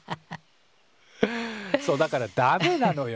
そうだからダメなのよ